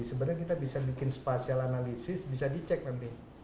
sebenarnya kita bisa bikin spasial analisis bisa dicek nanti